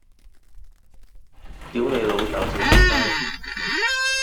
對爸爸講